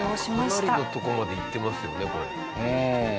かなりのとこまでいってますよねこれ。